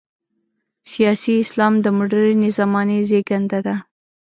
سیاسي اسلام د مډرنې زمانې زېږنده ده.